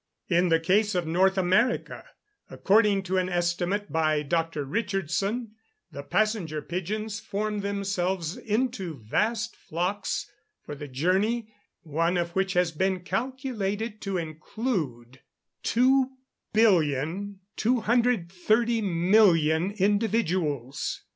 In the case of North America, according to an estimate by Dr. Richardson, the passenger pigeons form themselves into vast flocks for the journey, one of which has been calculated to include 2,230,000,000 individuals.